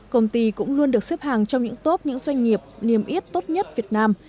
công ty cũng luôn được xếp hàng trong những top những doanh nghiệp niềm yết tốt nhất việt nam